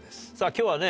今日はね